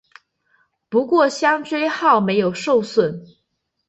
不过香椎号没有受损。